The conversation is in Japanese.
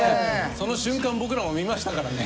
その瞬間僕らも見ましたからね。